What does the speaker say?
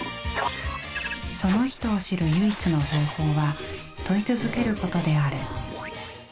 その人を知る唯一の方法は問い続けることである。